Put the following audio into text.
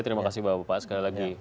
terima kasih bapak bapak sekali lagi